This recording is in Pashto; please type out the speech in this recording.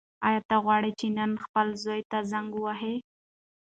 ایا ته غواړې چې نن خپل زوی ته زنګ ووهې؟